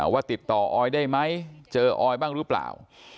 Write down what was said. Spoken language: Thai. ว่าติดต่อออยได้ไหมเจอออยบ้างหรือเปล่า